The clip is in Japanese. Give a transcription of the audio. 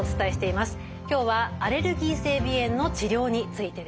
今日はアレルギー性鼻炎の治療についてですね。